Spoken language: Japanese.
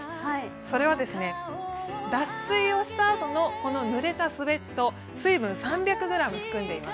それは脱水をしたあとの濡れたスエット、水分３００ｇ含んでいます。